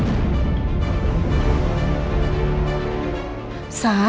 maka aku gak bisa jalan